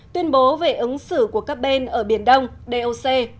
tuyên bố về ứng xử của các bên ở biển đông doc